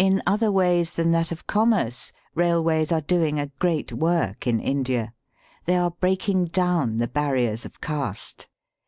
In other ways than that of commerce rail ways are doing a great work in India. They are breaking down the barriers of caste.